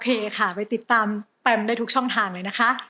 ค่ะไปติดตามแปมได้ทุกช่องทางเลยนะคะ